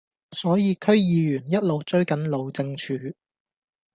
所以區議員一路追緊路政署